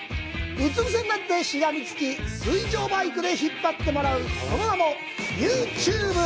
うつ伏せになってしがみつき、水上バイクで引っ張ってもらう、その名もユーチューブ。